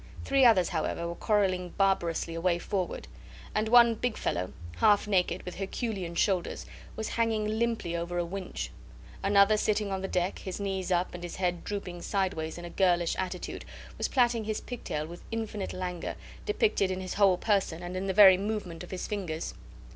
Three others, however, were quarrelling barbarously away forward; and one big fellow, half naked, with herculean shoulders, was hanging limply over a winch; another, sitting on the deck, his knees up and his head drooping sideways in a girlish attitude, was plaiting his pigtail with infinite languor depicted in his whole person and in the very movement of his fingers.